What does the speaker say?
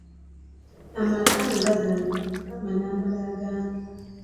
Amaka nga gano Mukama n'amala agampa!